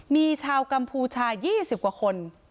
มีชาวกัมภูชายี่สิบกว่าคน